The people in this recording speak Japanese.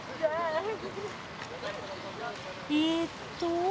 えっと